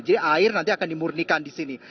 jadi air nanti akan dimurnikan di sini